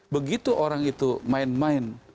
begitu orang itu main main